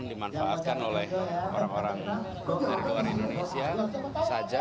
dimanfaatkan oleh orang orang dari luar indonesia saja